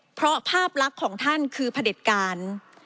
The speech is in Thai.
เพราะภาพลักษณ์ของท่านคือพระเด็จการ